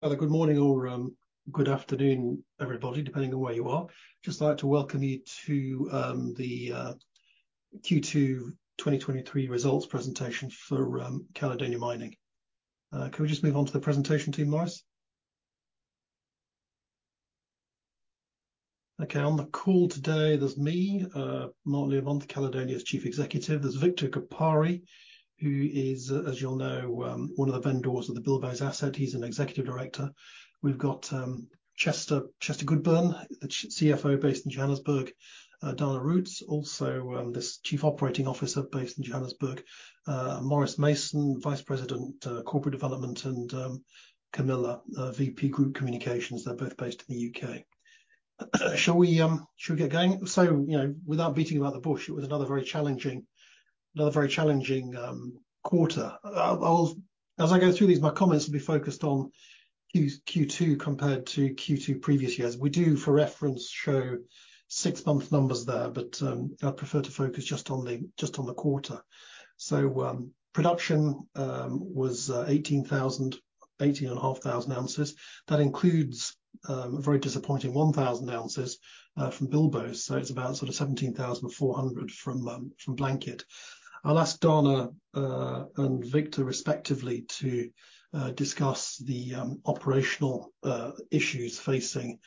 Well, good morning, all, good afternoon, everybody, depending on where you are. Just like to welcome you to the Q2 2023 results presentation for Caledonia Mining. Can we just move on to the presentation team, Maurice? Okay, on the call today, there's me, Mark Learmonth, Caledonia's Chief Executive. There's Victor Gapare, who is, as you all know, one of the vendors of the Bilboes asset. He's an executive director. We've got Chester, Chester Goodburn, the CFO based in Johannesburg; Dana Roets, also, this Chief Operating Officer based in Johannesburg; Maurice Mason, Vice President, Corporate Development; and Camilla, VP, Group Communications. They're both based in the U.K. Shall we, shall we get going? You know, without beating about the bush, it was another very challenging, another very challenging quarter. I'll As I go through these, my comments will be focused on Q2 compared to Q2 previous years. We do, for reference, show six-month numbers there, I'd prefer to focus just on the quarter. Production was 18,000 18,500 oz. That includes a very disappointing 1,000 oz from Bilboes, it's about sort of 17,400 from Blanket. I'll ask Dana and Victor respectively to discuss the operational issues facing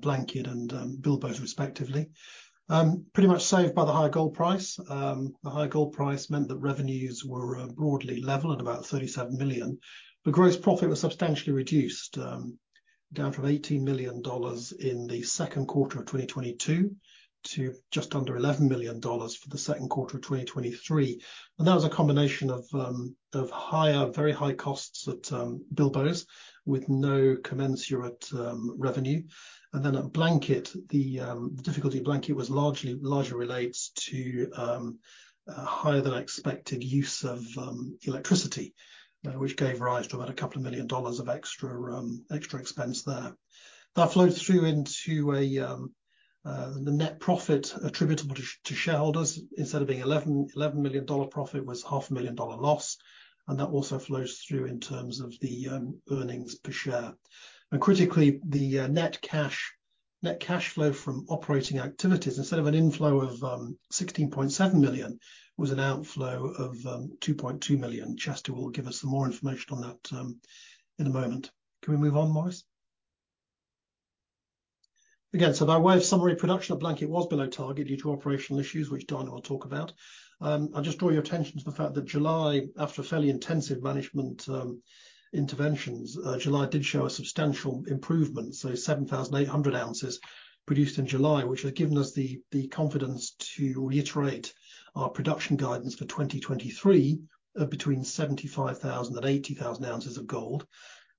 Blanket and Bilboes respectively. Pretty much saved by the high gold price. The high gold price meant that revenues were broadly level at about $37 million. The gross profit was substantially reduced, down from $18 million in Q2 2022 to just under $11 million for Q2 2023. That was a combination of higher-very high costs at Bilboes, with no commensurate revenue. Then at Blanket, the difficulty at Blanket largely relates to higher-than-expected use of electricity, which gave rise to about $2 million of extra, extra expense there. That flows through into the net profit attributable to shareholders. Instead of being $11 million profit, it was a $500,000 loss. That also flows through in terms of the earnings per share. Critically, the net cash, net cash flow from operating activities, instead of an inflow of $16.7 million, was an outflow of $2.2 million. Chester will give us some more information on that in a moment. Can we move on, Maurice? Again, by way of summary, production at Blanket was below target due to operational issues, which Dana will talk about. I'll just draw your attention to the fact that July, after fairly intensive management interventions, July did show a substantial improvement, so 7,800 oz produced in July, which has given us the confidence to reiterate our production guidance for 2023 of between 75,000 oz- 80,000 oz of gold.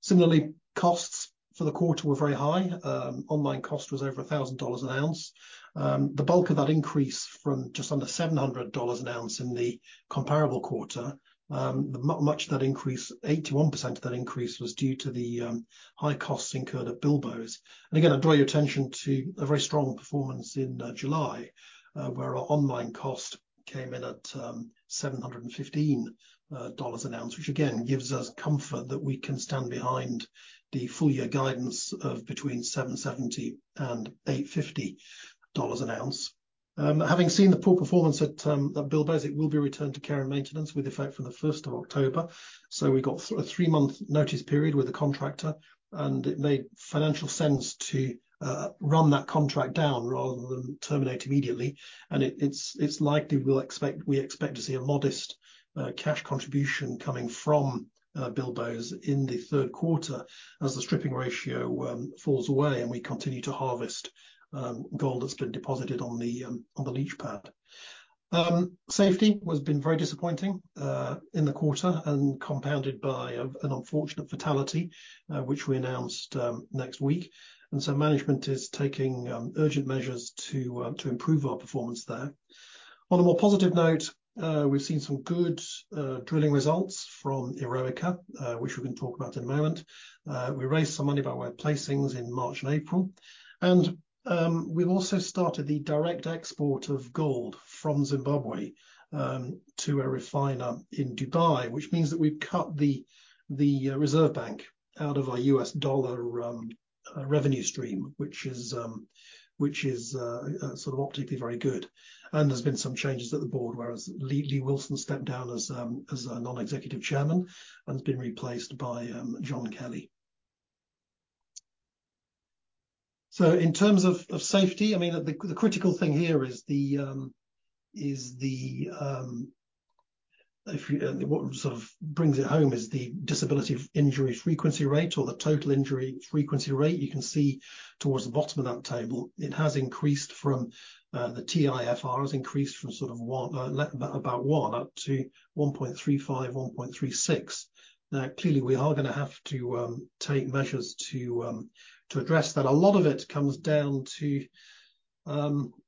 Similarly, costs for the quarter were very high. All-in cost was over $1,000 an ounce. The bulk of that increase from just under $700 an ounce in the comparable quarter, much of that increase, 81% of that increase was due to the high costs incurred at Bilboes. Again, I draw your attention to a very strong performance in July, where our all-in cost came in at $715 an ounce, which again, gives us comfort that we can stand behind the full year guidance of between $770 and $850 an ounce. Having seen the poor performance at Bilboes, it will be returned to care and maintenance with effect from the 1st of October. We've got a three-month notice period with the contractor, and it made financial sense to run that contract down rather than terminate immediately. It, it's, it's likely we expect to see a modest cash contribution coming from Bilboes in the third quarter as the stripping ratio falls away, and we continue to harvest gold that's been deposited on the on the leach pad. Safety has been very disappointing in the quarter, and compounded by an unfortunate fatality, which we announced next week, and so management is taking urgent measures to to improve our performance there. On a more positive note, we've seen some good drilling results from Eroica, which we can talk about in a moment. We raised some money by way of placings in March and April, and we've also started the direct export of gold from Zimbabwe to a refiner in Dubai, which means that we've cut the reserve bank out of our U.S. dollar revenue stream, which is sort of optically very good. There's been some changes at the board, whereas Lee Wilson stepped down as Non-Executive Chairman and has been replaced by John Kelly. In terms of safety, I mean, the, the critical thing here is the. What sort of brings it home is the disabling injury frequency rate or the total injury frequency rate. You can see towards the bottom of that table, it has increased from, the TIFR has increased from sort of 1, about 1, up to 1.35, 1.36. Clearly, we are gonna have to take measures to address that. A lot of it comes down to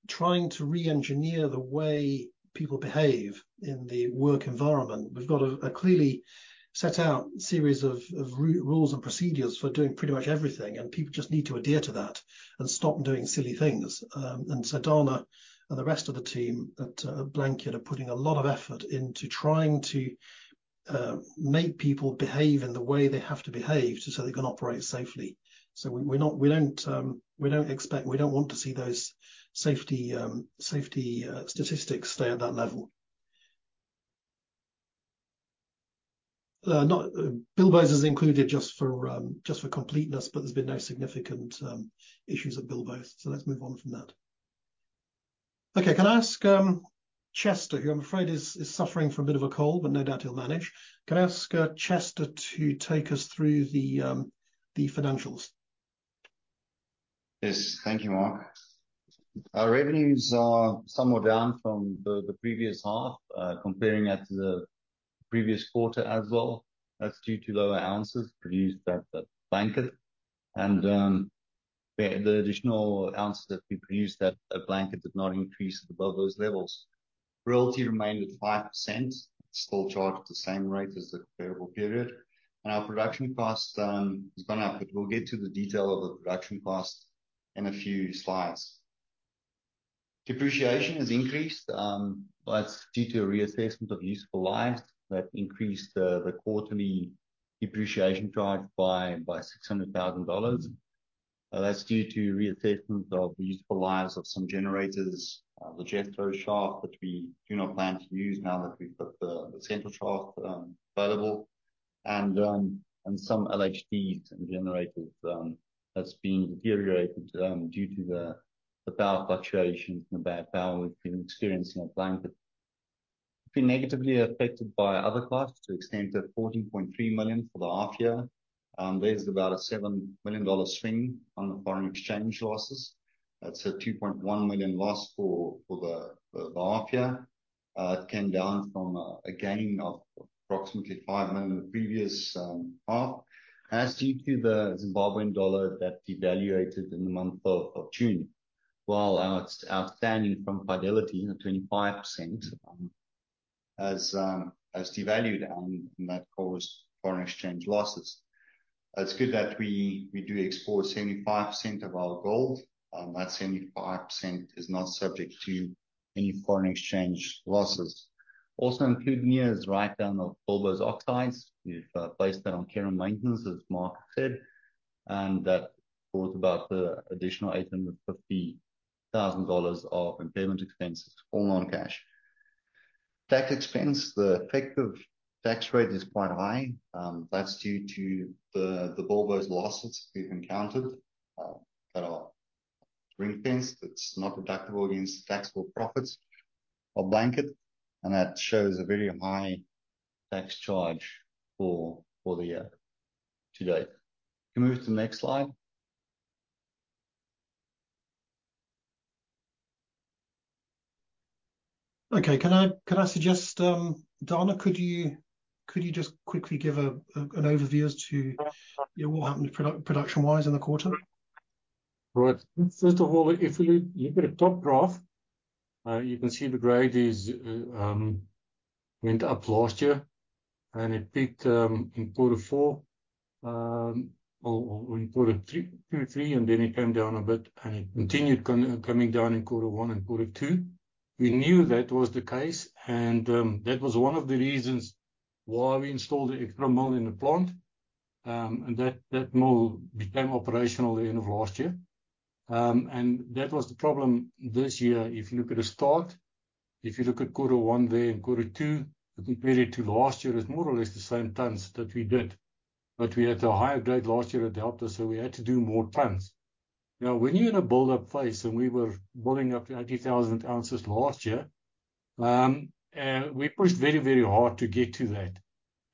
trying to re-engineer the way people behave in the work environment. We've got a clearly set out series of rules and procedures for doing pretty much everything, and people just need to adhere to that and stop doing silly things. Dana and the rest of the team at Blanket are putting a lot of effort into trying to make people behave in the way they have to behave so they can operate safely. We don't, we don't expect, we don't want to see those safety, safety statistics stay at that level. Not, Bilbo is included just for completeness, but there's been no significant issues at Bilbo, so let's move on from that. Okay. Can I ask Chester, who I'm afraid is, is suffering from a bit of a cold, but no doubt he'll manage. Can I ask Chester to take us through the financials? Yes. Thank you, Mark. Our revenues are somewhat down from the, the previous half, comparing at the previous quarter as well. That's due to lower oz produced at the Blanket. The, the additional oz that we produced at, at Blanket did not increase above those levels. Royalty remained at 5%, still charged at the same rate as the comparable period. Our production cost has gone up, but we'll get to the detail of the production cost in a few slides. Depreciation has increased, but it's due to a reassessment of useful lives that increased the, the quarterly depreciation charge by $600,000. That's due to reassessment of the useful lives of some generators, the Jethro Shaft, which we do not plan to use now that we've got the Central Shaft available, and some LHDs and generators that's been deteriorated due to the power fluctuations and the bad power we've been experiencing on Blanket. Been negatively affected by other costs to the extent of $14.3 million for the half year. There's about a $7 million swing on the foreign exchange losses. That's a $2.1 million loss for the half year. It came down from a gain of approximately $5 million the previous half, as due to the Zimbabwean dollar that devaluated in the month of June. While our outstanding from Fidelity, the 25%, has devalued, that caused foreign exchange losses. It's good that we do export 75% of our gold. That 75% is not subject to any foreign exchange losses. Also included here is write-down of all those oxides. We've placed that on care and maintenance, as Mark said, that brought about the additional $850,000 of impairment expenses, all non-cash. Tax expense. The effective tax rate is quite high. That's due to the Bilboes losses we've encountered that are ring-fenced. It's not deductible against taxable profits or Blanket, that shows a very high tax charge for the year to date. Can we move to the next slide? Okay. Can I, can I suggest, Dana, could you, could you just quickly give an overview as to, you know, what happened production-wise in the quarter? Right. First of all, if you look, you've got a top graph. you can see the grade is went up last year, and it peaked in Q4, or in Q3, and then it came down a bit, and it continued coming down in Q1 and Q2. We knew that was the case, and that was one of the reasons why we installed the extra mill in the plant. That, that mill became operational at the end of last year. That was the problem this year. If you look at the start, if you look at Q1 there and Q2, compared it to last year, it's more or less the same tons that we did, but we had a higher grade last year that helped us, so we had to do more tons. When you're in a build-up phase, and we were building up to 80,000 oz last year, we pushed very, very hard to get to that,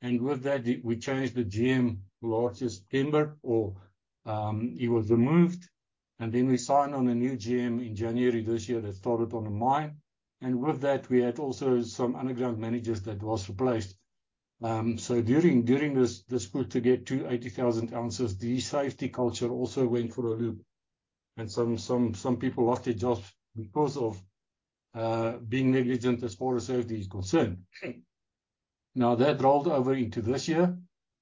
and with that, we, we changed the GM last September, or he was removed, and then we signed on a new GM in January this year that started on the mine, and with that, we had also some underground managers that was replaced. During this quarter, to get to 80,000 oz, the safety culture also went for a loop, and some, some, some people lost their jobs because of being negligent as far as safety is concerned. That rolled over into this year,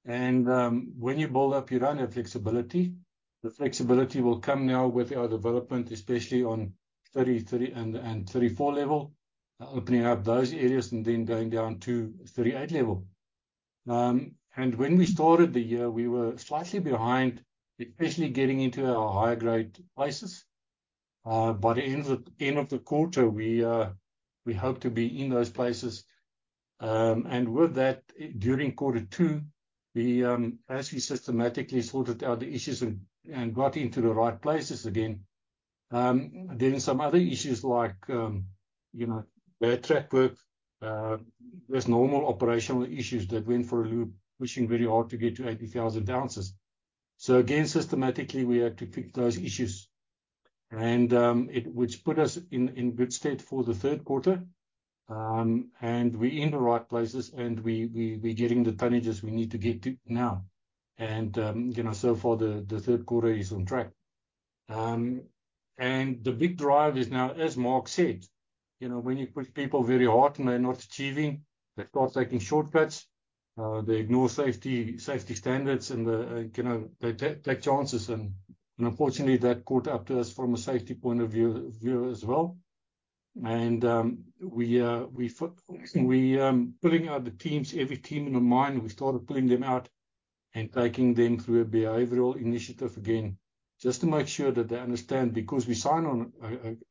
and when you build up, you don't have flexibility. The flexibility will come now with our development, especially on 33 and, and 34 level, opening up those areas and then going down to 38 level. When we started the year, we were slightly behind, especially getting into our higher grade places, but at the end of the quarter, we hope to be in those places. With that, during quarter 2, we actually systematically sorted out the issues and, and got into the right places again. Some other issues like, you know, bad track work, there's normal operational issues that went for a loop, pushing very hard to get to 80,000 oz. Again, systematically, we had to fix those issues, and it, which put us in, in good stead for the third quarter. We're in the right places, and we, we, we're getting the tonnages we need to get to now. You know, so far, the third quarter is on track. The big drive is now, as Mark said, you know, when you push people very hard and they're not achieving, they start taking shortcuts, they ignore safety, safety standards, and, you know, they take, take chances, and, unfortunately, that caught up to us from a safety point of view, view as well. We, we, pulling out the teams, every team in the mine, we started pulling them out and taking them through a behavioral initiative again, just to make sure that they understand, because we signed on,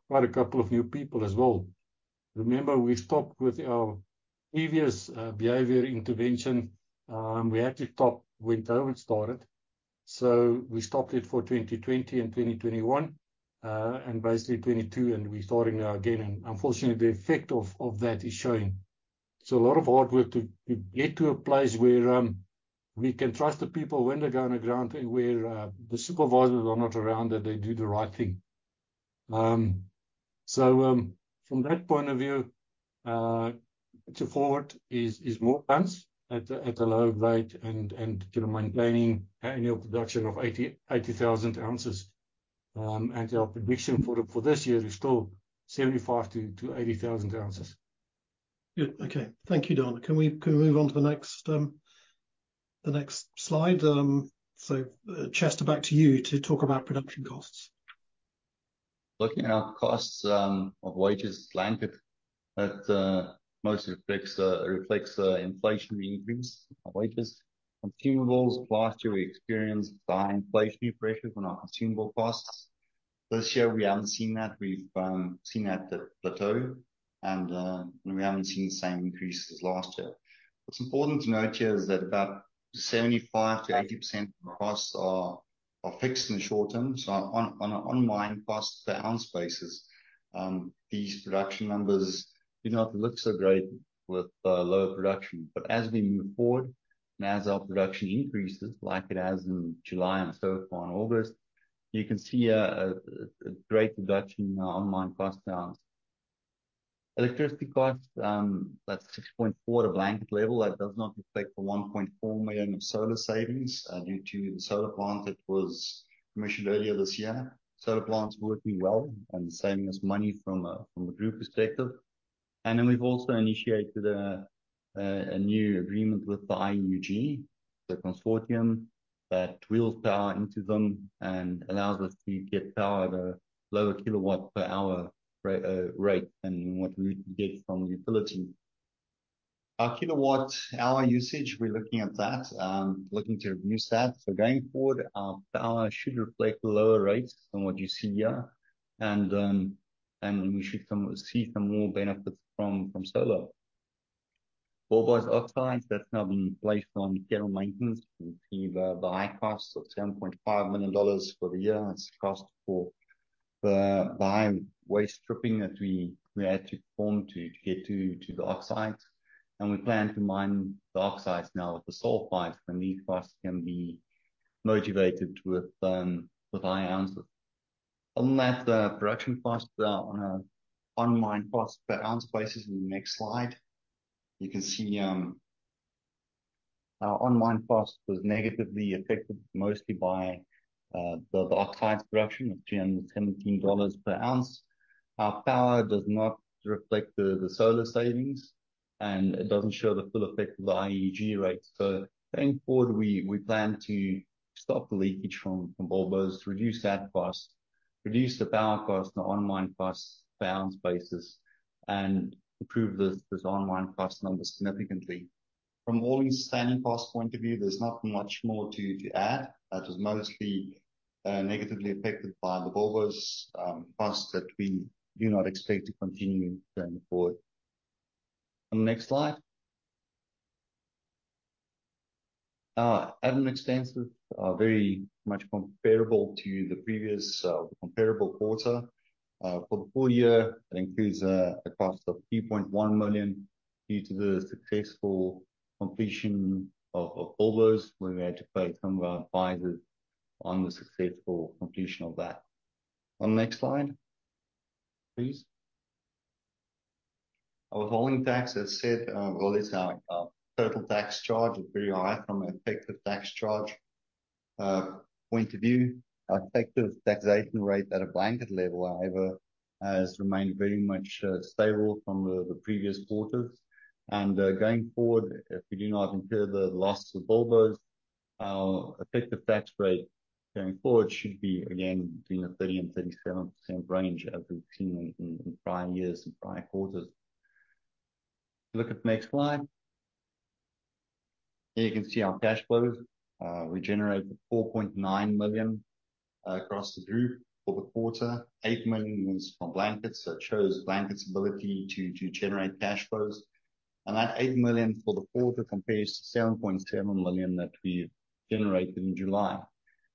quite a couple of new people as well. Remember, we stopped with our previous, behavior intervention. We had to stop when COVID started, so we stopped it for 2020 and 2021, and basically 2022, and we're starting now again, and unfortunately, the effect of that is showing. A lot of hard work to get to a place where we can trust the people when they go on the ground and where the supervisors are not around, that they do the right thing. From that point of view, to forward is more tons at a lower rate and to maintaining annual production of 80,000 oz. Our prediction for this year is still 75,000 oz-80,000 oz. Good. Okay. Thank you, Dan. Can we, can we move on to the next, the next slide? Chester, back to you to talk about production costs. Looking at our costs, of wages Blanket, that mostly reflects, reflects, inflation increase on wages. Consumables, last year, we experienced high inflationary pressures on our consumable costs. This year, we haven't seen that. We've seen that the plateau and we haven't seen the same increases as last year. What's important to note here is that about 75%-80% of the costs are, are fixed in the short term. On-mine cost per ounce basis, these production numbers do not look so great with lower production. As we move forward and as our production increases, like it has in July and so far in August, you can see a great reduction in our on-mine cost per ounce. Electricity costs, that's 6.4 at a Blanket level. That does not reflect the $1.4 million of solar savings due to the solar plant that was commissioned earlier this year. Solar plant's working well and saving us money from a, from a group perspective. Then we've also initiated a, a, a new agreement with the IUG, the consortium, that wheels power into them and allows us to get power at a lower kWh rate than what we would get from the utility. Our kWh usage, we're looking at that, looking to review that. Going forward, our power should reflect lower rates than what you see here, and we should some, see some more benefits from, from solar. Bilboes oxides, that's now been placed on care and maintenance. You see the, the high costs of $7.5 million for the year. That's the cost for the by-waste stripping that we had to form to get to the oxides. We plan to mine the oxides now with the sulfides, and these costs can be motivated with high ounces. On that, the production costs are on-mine costs per ounce basis in the next slide. You can see our on-mine cost was negatively affected mostly by the oxides production of $217/oz. Our power does not reflect the solar savings, and it doesn't show the full effect of the IUG rates. Going forward, we plan to stop the leakage from Bilboes, reduce that cost, reduce the power cost, the on-mine costs per ounce basis, and improve this on-mine cost number significantly. From all standing cost point of view, there's not much more to add. That was mostly negatively affected by the Bilboes costs that we do not expect to continue going forward. On the next slide. Admin expenses are very much comparable to the previous comparable quarter. For the full year, that includes a cost of $3.1 million, due to the successful completion of Bilboes, where we had to pay some of our advisors on the successful completion of that. On the next slide, please. Our withholding tax, as said, well, it's our total tax charge is very high from an effective tax charge point of view. Our effective taxation rate at a Blanket level, however, has remained very much stable from the previous quarters. Going forward, if we do not incur the loss of Bilboes, our effective tax rate going forward should be again between a 30%-37% range as we've seen in, in, in prior years and prior quarters. Look at the next slide. Here you can see our cash flows. We generated $4.9 million across the group for the quarter. $8 million was from Blanket. That shows Blanket's ability to, to generate cash flows. That $8 million for the quarter compares to $7.2 million that we generated in July.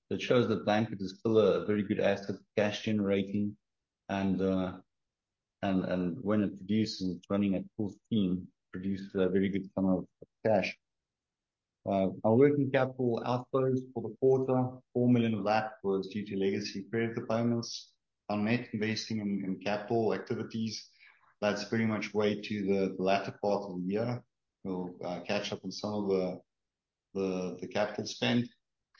That shows that Blanket is still a very good asset, cash-generating, and, and when it produces, running at full steam, produces a very good sum of cash. Our working capital outflows for the quarter, $4 million of that was due to legacy credit payments on net investing in capital activities. That's pretty much way to the latter part of the year. We'll catch up on some of the capital spend.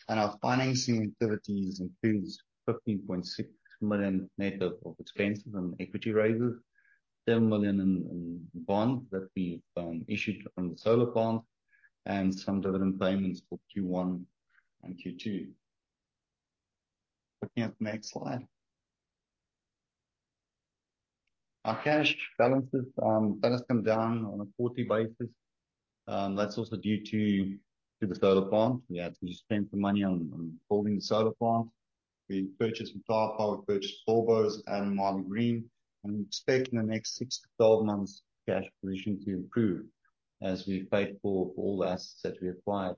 Our financing activities includes $15.6 million net of expenses and equity raises, $10 million in bond that we issued from the solar plant, and some dividend payments for Q1 and Q2. Looking at the next slide. Our cash balances that has come down on a quarterly basis, and that's also due to the solar plant. We had to spend the money on building the solar plant. We purchased from Flower Power, we purchased Bilboes and Maligreen, and we expect in the next 6-12 months cash position to improve as we've paid for all the assets that we acquired.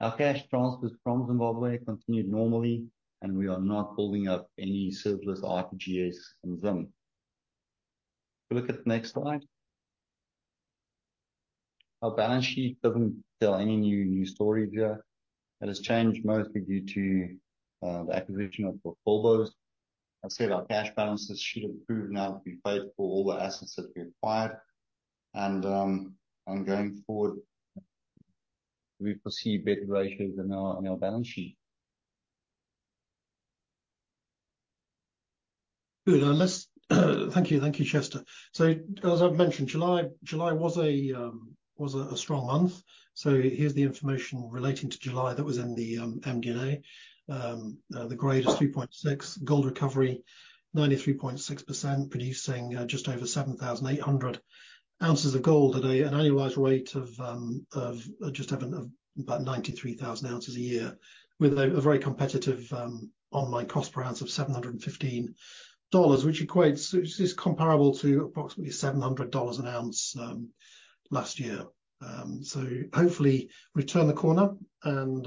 Our cash transfers from Zimbabwe continued normally, and we are not building up any surplus RPGs in Zim. If you look at the next slide. Our balance sheet doesn't tell any new, new stories here. That has changed mostly due to the acquisition of the Bilboes. I said our cash balances should improve now that we've paid for all the assets that we acquired. Going forward, we foresee better ratios on our, on our balance sheet. Good. Let's, thank you. Thank you, Chester. As I've mentioned, July, July was a, was a, a strong month. Here's the information relating to July that was in the MD&A. The grade is 3.6, gold recovery 93.6%, producing just over 7,800 oz of gold at a, an annualized rate of just over, of about 93,000 oz a year, with a, a very competitive on-mine cost per ounce of $715, which is comparable to approximately $700 an ounce last year. Hopefully we turn the corner, and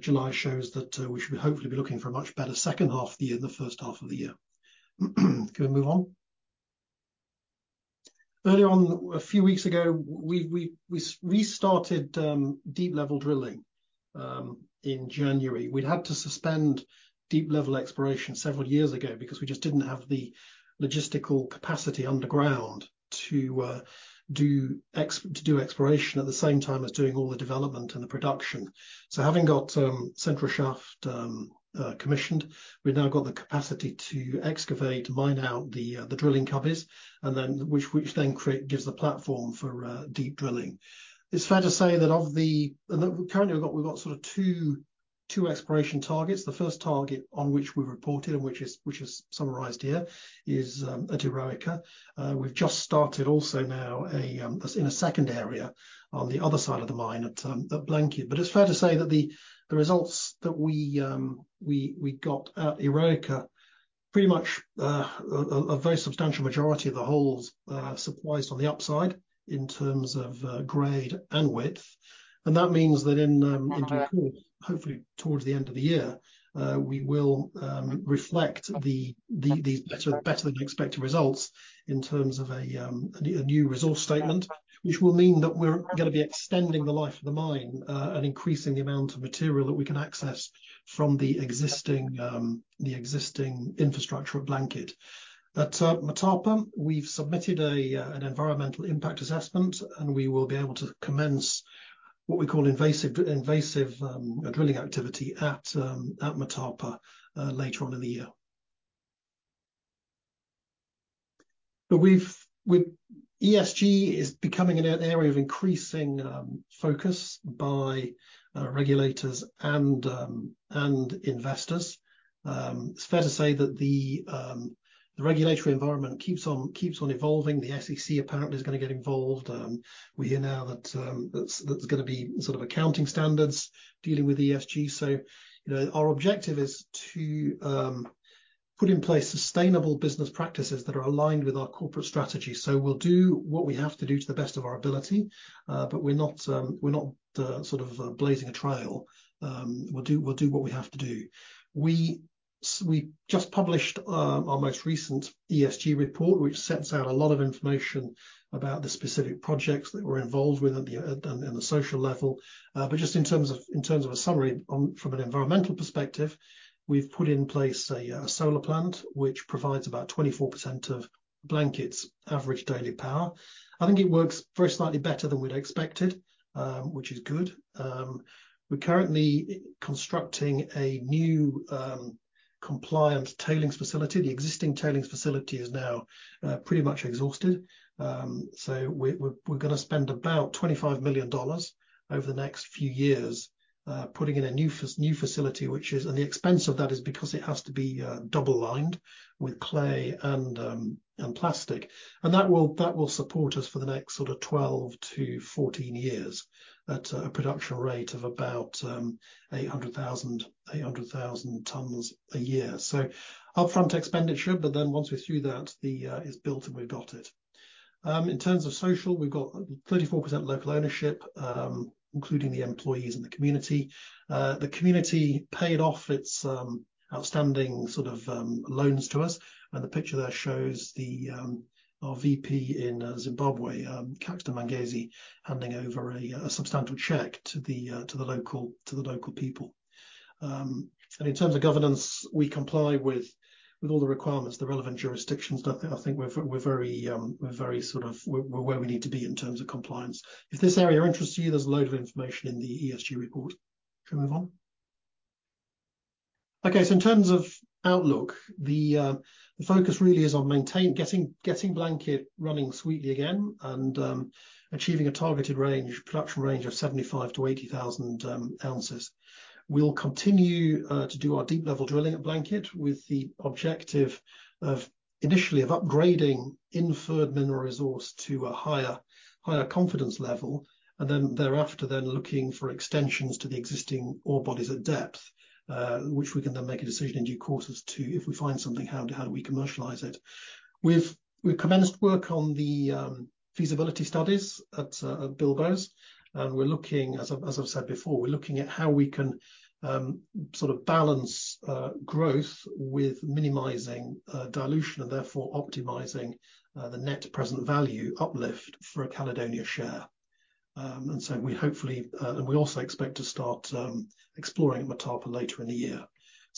July shows that we should hopefully be looking for a much better second half of the year than the first half of the year. Can we move on? Early on, a few weeks ago, we restarted deep-level drilling in January. We'd had to suspend deep-level exploration several years ago because we just didn't have the logistical capacity underground to do exploration at the same time as doing all the development and the production. Having got Central Shaft commissioned, we've now got the capacity to excavate, mine out the drilling cubbies, and then, which then gives the platform for deep drilling. It's fair to say that currently, we've got sort of two, two exploration targets. The first target on which we reported, and which is summarized here, is at Eroica. We've just started also now a in a second area on the other side of the mine at Blanket. It's fair to say that the results that we got at Eroica, pretty much a very substantial majority of the holes surprised on the upside in terms of grade and width. That means that in due course, hopefully towards the end of the year, we will reflect the better than expected results in terms of a new resource statement, which will mean that we're gonna be extending the life of the mine and increasing the amount of material that we can access from the existing infrastructure of Blanket. At Motapa, we've submitted an environmental impact assessment, and we will be able to commence what we call invasive drilling activity at Motapa later on in the year. We've, we've... ESG is becoming an area of increasing focus by regulators and investors. It's fair to say that the regulatory environment keeps on, keeps on evolving. The SEC apparently is gonna get involved. We hear now that that's gonna be sort of accounting standards dealing with ESG. You know, our objective is to put in place sustainable business practices that are aligned with our corporate strategy. We'll do what we have to do to the best of our ability, but we're not, we're not sort of blazing a trail. We'll do, we'll do what we have to do. We just published our most recent ESG report, which sets out a lot of information about the specific projects that we're involved with at the social level. Just in terms of, in terms of a summary, from an environmental perspective, we've put in place a solar plant, which provides about 24% of Blanket's average daily power. I think it works very slightly better than we'd expected, which is good. We're currently constructing a new compliant tailings facility. The existing tailings facility is now pretty much exhausted. We're gonna spend about $25 million over the next few years putting in a new facility, which is, and the expense of that is because it has to be double-lined with clay and plastic. That will, that will support us for the next sort of 12 to 14 years at a production rate of about 800,000 tons a year. Upfront expenditure, but then once we're through that, the, it's built and we've got it. In terms of social, we've got 34% local ownership, including the employees and the community. The community paid off its, outstanding sort of, loans to us, and the picture there shows the, our VP in Zimbabwe, Caxton Mangezi, handing over a, a substantial check to the, to the local, to the local people. And in terms of governance, we comply with, with all the requirements, the relevant jurisdictions. I think, I think we're, we're very, we're very sort of... We're where we need to be in terms of compliance. If this area interests you, there's a load of information in the ESG report. Can we move on? Okay, in terms of outlook. The focus really is on getting Blanket running sweetly again and achieving a targeted production range of 75,000 oz-80,000 oz. We'll continue to do our deep-level drilling at Blanket with the objective of, initially, of upgrading inferred mineral resource to a higher confidence level, and then thereafter, looking for extensions to the existing ore bodies at depth, which we can then make a decision in due course as to if we find something, how we commercialize it. We've commenced work on the feasibility studies at Bilboes, and we're looking as I've said before, we're looking at how we can sort of balance growth with minimizing dilution and therefore optimizing the net present value uplift for a Caledonia share. We hopefully, and we also expect to start exploring Motapa later in the year.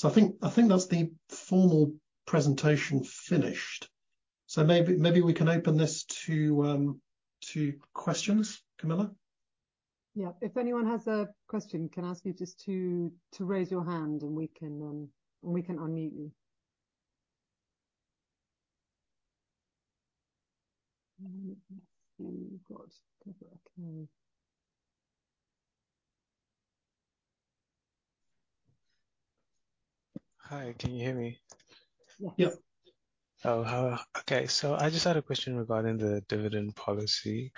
I think, I think that's the formal presentation finished. Maybe, maybe we can open this to questions. Camilla? Yeah. If anyone has a question, can I ask you just to, to raise your hand and we can, and we can unmute you. Hi, can you hear me? Yeah. Okay. I just had a question regarding the dividend policy.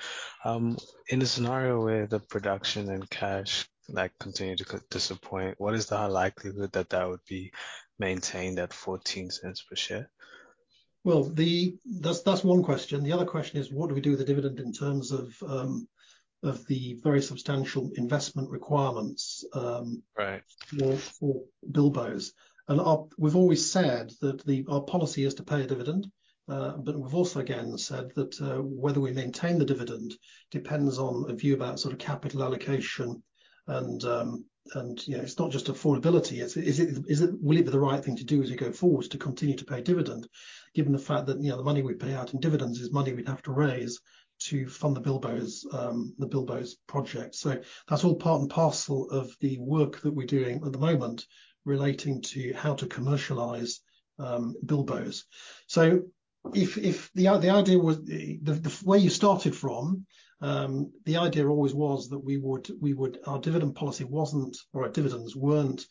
In a scenario where the production and cash, like, continue to disappoint, what is the likelihood that that would be maintained at $0.14 per share? Well, that's one question. The other question is: what do we do with the dividend in terms of the very substantial investment requirements? Right For Bilboes, we've always said that the, our policy is to pay a dividend but we've also again said that, whether we maintain the dividend depends on a view about sort of capital allocation. And, you know, it's not just affordability, it's will it be the right thing to do as we go forward to continue to pay dividend, given the fact that, you know, the money we pay out in dividends is money we'd have to raise to fund the Bilboes, the Bilboes project. That's all part and parcel of the work that we're doing at the moment relating to how to commercialize, Bilboes. If, if the idea was, the where you started from, the idea always was that we would our dividend policy wasn't, or our dividends weren't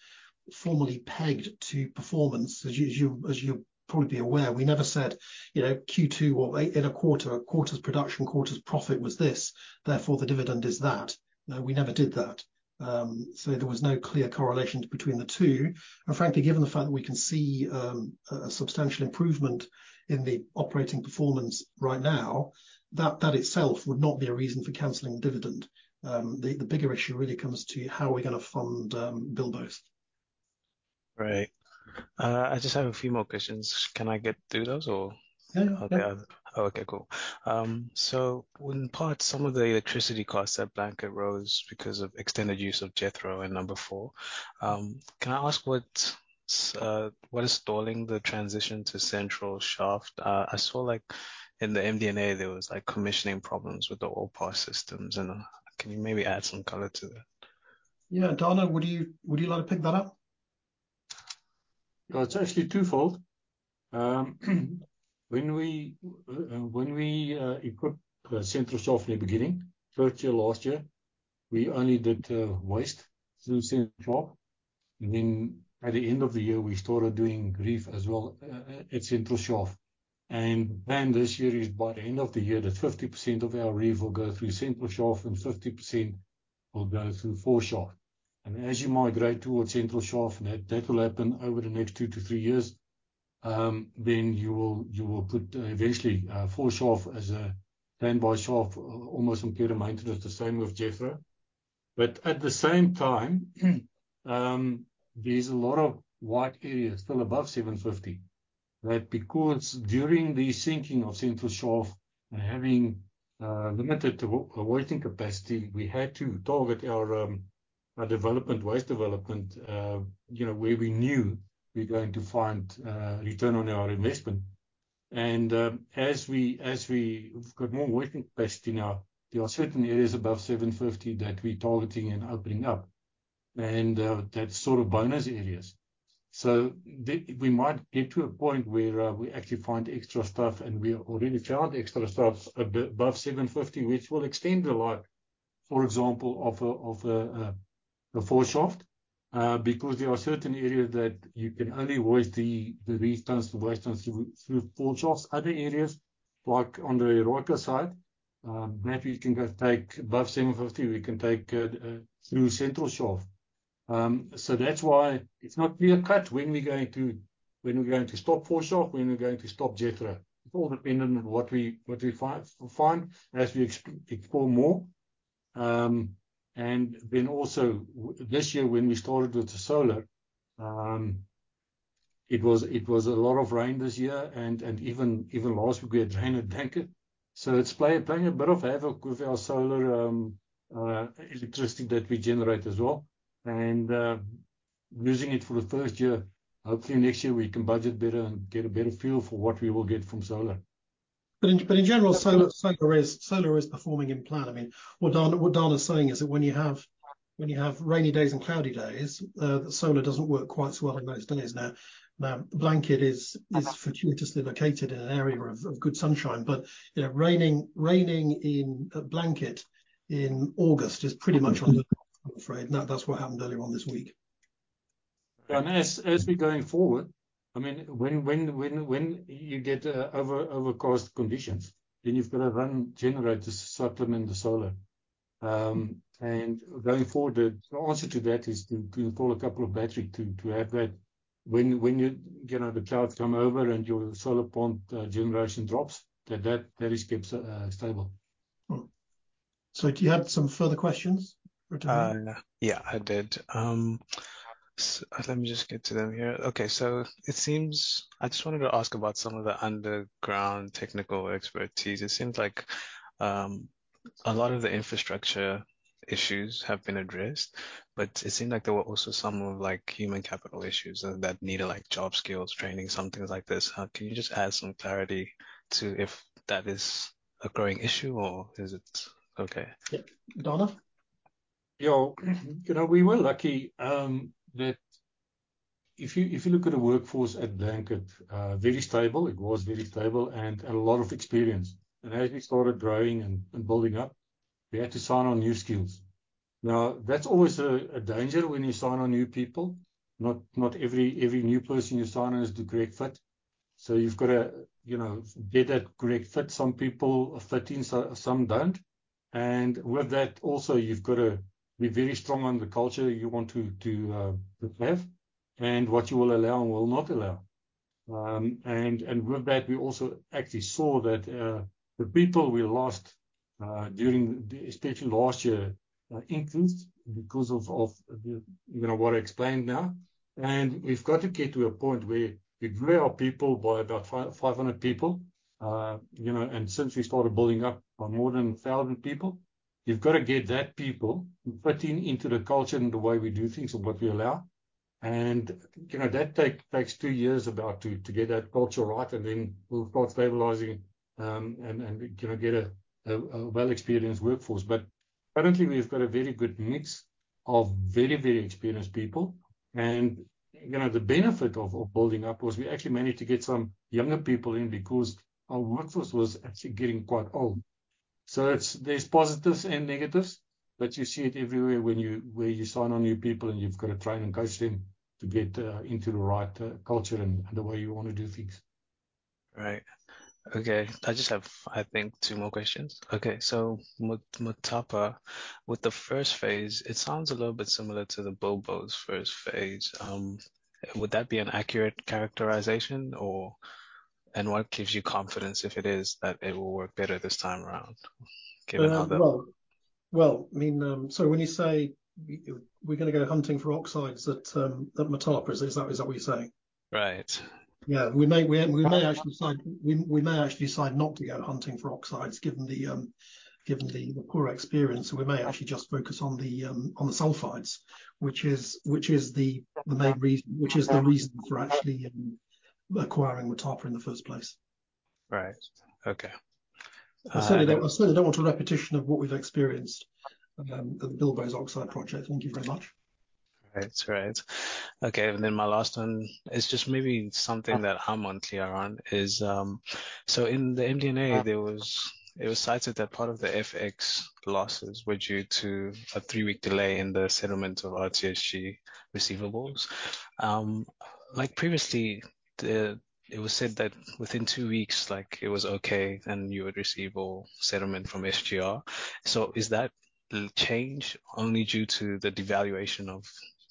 formally pegged to performance. As you'll probably be aware, we never said, you know, Q2 or in a quarter, a quarter's production, a quarter's profit was this, therefore the dividend is that. No, we never did that. So there was no clear correlation between the two. Frankly, given the fact that we can see a substantial improvement in the operating performance right now, that itself would not be a reason for cancelling dividend. The bigger issue really comes to how are we gonna fund Bilboes. Right. I just have a few more questions. Can I get through those or- Yeah. Okay, I... Oh, okay, cool. In part, some of the electricity costs at Blanket rose because of extended use of Jethro and Number Four. Can I ask what's, what is stalling the transition to Central Shaft? I saw, like, in the MD&A, there was, like, commissioning problems with the old power systems, and, can you maybe add some color to that? Yeah. Dana, would you, would you like to pick that up? Well, it's actually twofold. When we equipped Central Shaft in the beginning, third year, last year, we only did waste through Central Shaft. Then at the end of the year, we started doing reef as well, at Central Shaft. Then this year is, by the end of the year, that 50% of our reef will go through Central Shaft and 50% will go through Four Shaft. As you migrate towards Central Shaft, and that, that will happen over the next 2-3 years, then you will, you will put eventually, Four Shaft as a standby shaft, almost on care maintenance, the same with Jethro. At the same time, there's a lot of white areas still above 750. That because during the sinking of Central Shaft and having limited to working capacity, we had to target our, our development, waste development, you know, where we knew we're going to find return on our investment. As we, as we've got more working capacity now, there are certain areas above 750 that we're targeting and opening up, and that's sort of bonus areas. We might get to a point where we actually find extra stuff, and we already found extra stuff a bit above 750, which will extend the life, for example, of a, of a, a Four Shaft. Because there are certain areas that you can only waste the, the waste stones, the waste stones through, through Four Shaft. Other areas, like on the right-hand side, maybe we can go take above 750, we can take through Central Shaft. That's why it's not clear-cut when we're going to, when we're going to stop Four Shaft, when we're going to stop Jethro. It's all dependent on what we, what we find as we explore more. Then also, this year, when we started with the solar, it was, it was a lot of rain this year and, and even, even last week we had to drain a tanker. It's playing a bit of havoc with our solar electricity that we generate as well, and losing it for the first year. Hopefully, next year we can budget better and get a better feel for what we will get from solar. In, but in general, solar, solar is, solar is performing in plan. I mean, what Don, what Don is saying is that when you have, when you have rainy days and cloudy days, solar doesn't work quite so well than it's done, isn't it? Blanket is, is fortuitously located in an area of, of good sunshine, but, you know, raining, raining in Blanket in August is pretty much on the top, I'm afraid. That's what happened earlier on this week. As, as we're going forward, I mean, when, when, when, when you get overcast conditions, then you've got to run generators to supplement the solar. Going forward, the answer to that is to, to install a couple of battery to, to have that when, when you, you know, the clouds come over and your solar plant generation drops, that, that at least keeps it stable. Mm-hmm. Do you have some further questions? Yeah, I did. Let me just get to them here. It seems. I just wanted to ask about some of the underground technical expertise. It seems like a lot of the infrastructure issues have been addressed, but it seemed like there were also some of, like, human capital issues that needed, like, job skills training, some things like this. Can you just add some clarity to if that is a growing issue or is it okay? Yeah. Dana? Yeah. You know, we were lucky, that if you, if you look at the workforce at Blanket, very stable. It was very stable and a lot of experience. As we started growing and building up, we had to sign on new skills. Now, that's always a danger when you sign on new people. Not every new person you sign on is the great fit. So you've got to, you know, get that great fit. Some people fit in, some don't. With that, also, you've got to be very strong on the culture you want to have and what you will allow and will not allow. With that, we also actually saw that the people we lost during, especially last year, increased because of, you know, what I explained now. We've got to get to a point where we grew our people by about 500 people. You know, since we started building up on more than 1,000 people, you've got to get that people fit in into the culture and the way we do things and what we allow. You know, that takes 2 years about to get that culture right, and then we'll start stabilizing, and, and, you know, get a well-experienced workforce. Currently, we've got a very good mix of very, very experienced people. You know, the benefit of, of building up was we actually managed to get some younger people in because our workforce was actually getting quite old. There's positives and negatives, but you see it everywhere when you, where you sign on new people, and you've got to train and coach them to get into the right culture and, and the way you want to do things. Right. Okay. I just have, I think, two more questions. Okay, so M- Motapa, with the first phase, it sounds a little bit similar to the Bilboes first phase. Would that be an accurate characterization or... what gives you confidence, if it is, that it will work better this time around? Given how the- well, well, I mean, so when you say we, we're gonna go hunting for oxides at Motapa, is that, is that what you're saying? Right. Yeah. We may, we, we may actually decide, we, we may actually decide not to go hunting for oxides, given the, given the poor experience. We may actually just focus on the, on the sulfides, which is, which is the, the main reason, which is the reason for actually, acquiring Motapa in the first place. Right. Okay. I certainly don't, I certainly don't want a repetition of what we've experienced at the Bilboes oxide project. Thank you very much. Great. Great. Okay, then my last one is just maybe something that I'm unclear on, is. In the MD&A, there was, it was cited that part of the FX losses were due to a three-week delay in the settlement of RTGS receivables. Previously, the, it was said that within two weeks, it was okay, and you would receive all settlement from SGR. Is that change only due to the devaluation of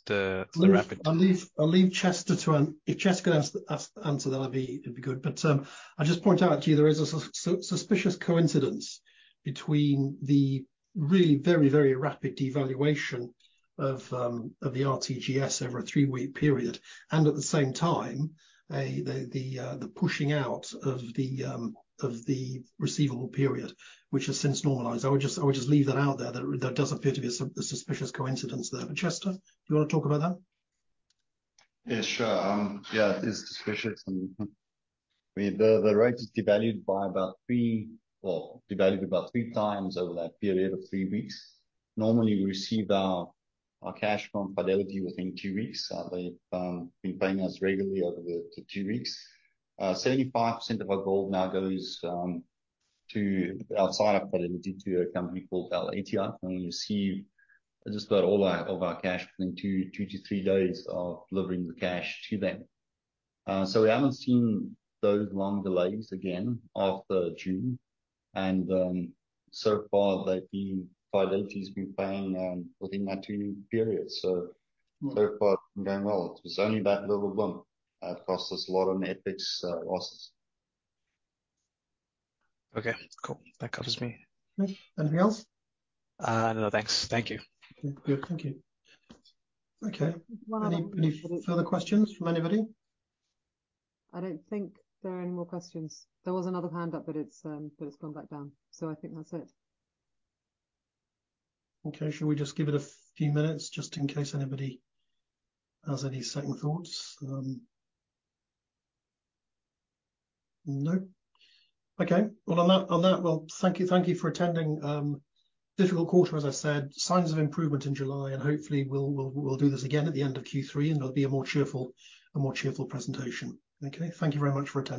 the, the rapid-? I'll leave, I'll leave Chester. If Chester can answer that, that'd be, it'd be good. I'll just point out to you, there is a suspicious coincidence between the really very, very rapid devaluation of the RTGS over a three-week period, and at the same time, a, the, the, the pushing out of the receivable period, which has since normalized. I would just, I would just leave that out there, that there does appear to be a suspicious coincidence there. Chester, do you wanna talk about that? Yeah, sure. Yeah, it is suspicious. I mean, the rate is devalued by about three... Well, devalued about three times over that period of three weeks. Normally, we receive our cash from Fidelity within two weeks. They've been paying us regularly over the 2 weeks. 75% of our gold now goes to outside of Fidelity, to a company called [a, and we receive just about all of our cash within two, two to three days of delivering the cash to them. We haven't seen those long delays again after June, and so far, they've been, Fidelity's been paying within that two-week period. So far, it's been going well. It was only that little blip that cost us a lot on FX losses. Okay, cool. That covers me. Anything else? No, thanks. Thank you. Okay, good. Thank you. Okay. Well- Any, any further questions from anybody? I don't think there are any more questions. There was another hand up, but it's gone back down. I think that's it. Okay. Shall we just give it a few minutes just in case anybody has any second thoughts? Okay. Well, thank you, thank you for attending. Difficult quarter, as I said, signs of improvement in July. Hopefully we'll do this again at the end of Q3, and it'll be a more cheerful presentation. Okay. Thank you very much for your time.